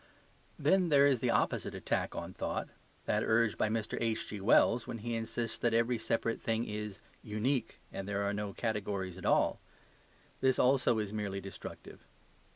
Then there is the opposite attack on thought: that urged by Mr. H.G.Wells when he insists that every separate thing is "unique," and there are no categories at all. This also is merely destructive.